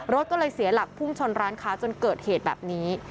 รถก็เลยเสียหลักพุ่งชนร้านค้าจนเกิดเหตุแบบนี้